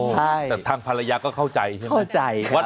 แต่ทางภรรยาก็เข้าใจใช่ไหมเข้าใจครับ